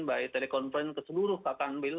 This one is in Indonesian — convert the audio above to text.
mbak telekonferensi ke seluruh kakang bil